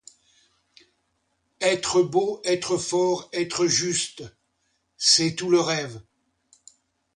Être beau, être fort, être juste, c'est tout le rêve!